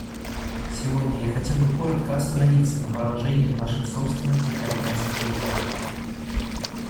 Сегодня я хотел бы коротко остановиться на положении в нашем собственном Тихоокеанском регионе.